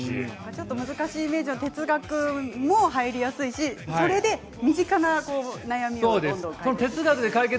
ちょっと難しいイメージの哲学が入りやすいしそれで身近な悩みをどんどん解決。